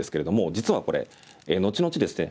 実はこれ後々ですね